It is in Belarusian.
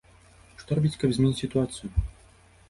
Што рабіць, каб змяніць сітуацыю?